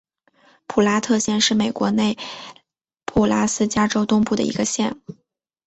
普拉特县是美国内布拉斯加州东部的一个县。